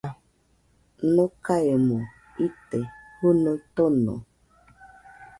Nokaemo ite jɨnuo tono